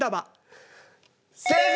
正解！